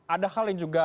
ada hal yang juga